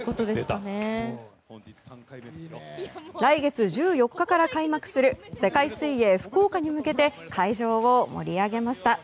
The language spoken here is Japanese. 来月１４日から開幕する世界水泳福岡に向けて会場を盛り上げました。